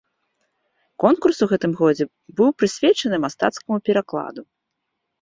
Конкурс у гэтым годзе быў прысвечаны мастацкаму перакладу.